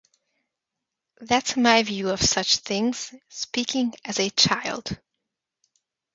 That's my view of such things, speaking as a child!